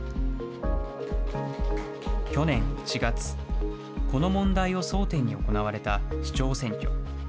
去年１月、この問題を争点に行われた市長選挙。